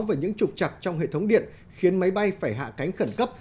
về những trục chặt trong hệ thống điện khiến máy bay phải hạ cánh khẩn cấp